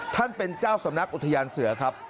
ท่านเป็นเจ้าสำนักอุทยานเสือครับ